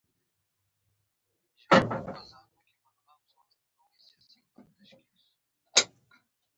د سروبی کلی موقعیت